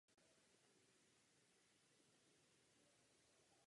Kaplička je zapsána do seznamu kulturních památek.